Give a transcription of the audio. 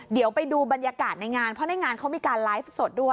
เดี๋ยวไปดูบรรยากาศในงานเพราะในงานเขามีการไลฟ์สดด้วย